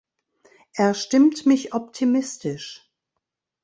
Er stimmt mich optimistisch.